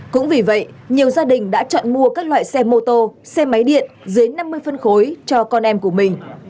cũng vì vậy nhiều gia đình đã chọn mua các loại xe mô tô xe máy điện dưới năm mươi phân khối cho con em của mình